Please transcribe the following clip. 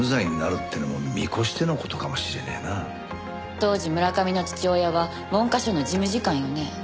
当時村上の父親は文科省の事務次官よね。